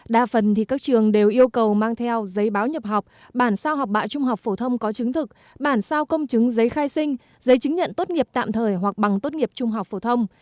đa phần thì các trường đều yêu cầu mang theo giấy báo nhập học bản sao học bạ trung học phổ thông có chứng thực bản sao công chứng giấy khai sinh giấy chứng nhận tốt nghiệp tạm thời hoặc bằng tốt nghiệp trung học phổ thông